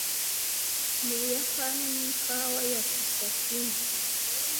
Mu Buyapani ni ikawa ya Kissaten